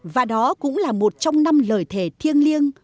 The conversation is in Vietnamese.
và đó cũng là một trong năm lời thề thiêng liêng